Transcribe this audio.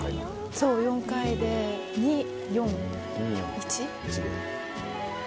そう４回で２４１。